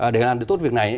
để làm được tốt việc này